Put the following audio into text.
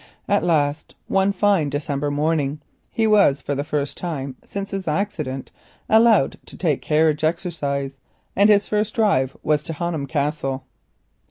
At last one fine December morning for the first time since his accident he was allowed to take carriage exercise, and his first drive was to Honham Castle.